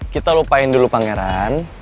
kita lupain dulu pangeran